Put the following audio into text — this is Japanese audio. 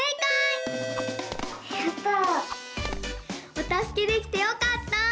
おたすけできてよかった！